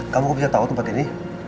kamu kok bisa tau tempat ini